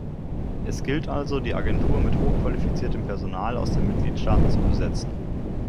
Es gilt also, die Agentur mit hoch qualifiziertem Personal aus den Mitgliedstaaten zu besetzen.